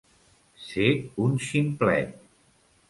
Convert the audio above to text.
Ser un ximplet.